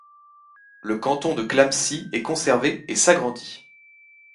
Le canton de Clamecy est conservé et s'agrandit.